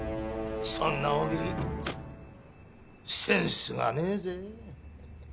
そんな大喜利センスがねえぜ。